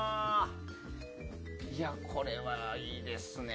これは、いいですね。